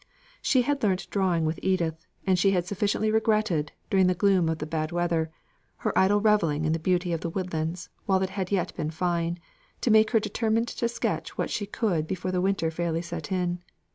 She had learnt drawing with Edith; and she had sufficiently regretted, during the gloom of the bad weather, her idle revelling in the beauty of the woodlands, while it had yet been fine, to make her determined to sketch what she could before winter fairly set in.